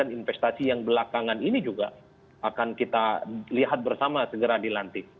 dan investasi yang belakangan ini juga akan kita lihat bersama segera di lantik